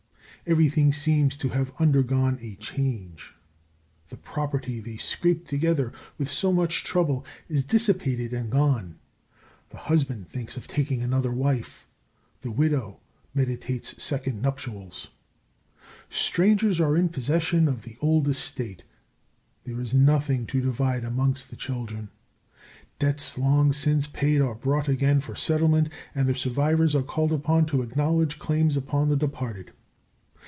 Everything seems to have undergone a change. The property they scraped together with so much trouble is dissipated and gone. The husband thinks of taking another wife; the widow meditates second nuptials. Strangers are in possession of the old estate; there is nothing to divide amongst the children. Debts long since paid are brought again for settlement, and the survivors are called upon to acknowledge claims upon the departed.